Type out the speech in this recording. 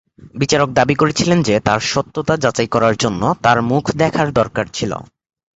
বিচারক দাবি করেছিলেন যে তার সত্যতা যাচাই করার জন্য তার মুখ দেখার দরকার ছিল।